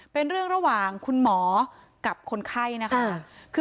เป็นเรื่องระหว่างคุณหมอกับคนไข้นะคะ